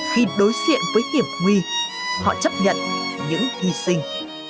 khi đối diện với hiểm nguy họ chấp nhận những hy sinh